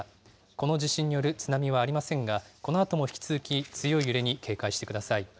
この地震による津波はありませんが、このあとも引き続き、強い揺れに警戒してください。